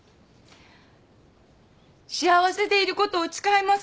幸せでいることを誓いますか？